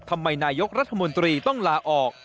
นายกรัฐมนตรีต้องลาออก